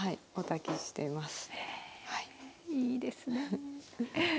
へえいいですね。